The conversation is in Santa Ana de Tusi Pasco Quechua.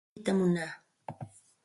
Rantiytam munaya.